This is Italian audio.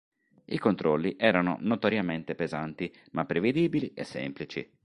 I controlli erano notoriamente pesanti, ma prevedibili e semplici.